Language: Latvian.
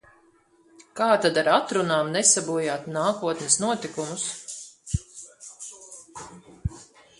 Kā tad ar atrunām nesabojāt nākotnes notikumus?